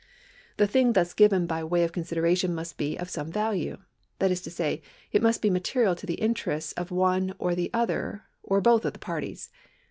The thing thus given by way of consideration must be of some value. That is to say, it must be material to the interests of one or other or both of the parties.